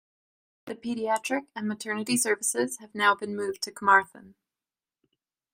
The paediatric and maternity services have now been moved to Carmarthen.